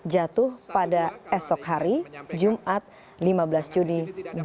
jatuh pada esok hari jumat lima belas juni dua ribu dua puluh